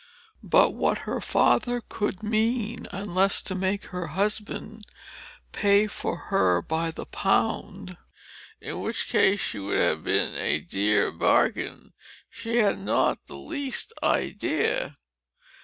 But what her father could mean, unless to make her husband pay for her by the pound, (in which case she would have been a dear bargain,) she had not the least idea.